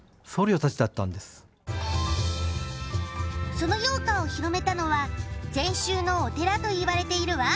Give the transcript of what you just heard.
その羊羹を広めたのは禅宗のお寺といわれているわ。